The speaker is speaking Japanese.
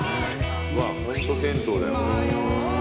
ホント銭湯だよ。